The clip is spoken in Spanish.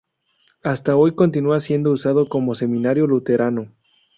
Hasta hoy continúa siendo usado como seminario luterano.